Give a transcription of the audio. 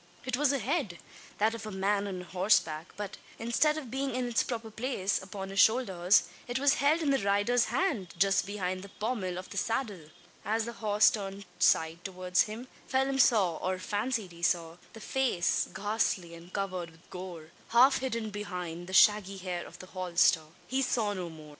It was a head that of the man on horseback; but, instead of being in its proper place, upon his shoulders, it was held in the rider's hand, just behind the pommel of the saddle! As the horse turned side towards him, Phelim saw, or fancied he saw, the face ghastly and covered with gore half hidden behind the shaggy hair of the holster! He saw no more.